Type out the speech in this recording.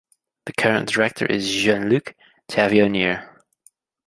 The current director is Jean-Luc Tavernier.